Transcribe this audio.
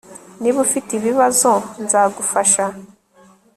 Niba ufite ibibazo nzagufasha